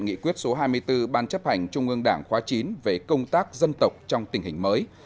nghị quyết số hai mươi bốn ban chấp hành trung ương đảng khóa chín về công tác dân tộc trong tình hình mới